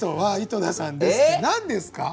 何ですか？